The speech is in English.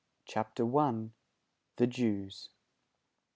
] CHAPTER I. THE JEWS.